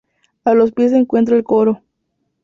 A los pies se encuentra el coro.